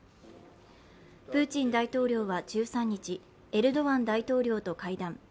プーチン大統領は１３日、エルドアン大統領と会談。